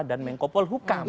dan mengkopol hukam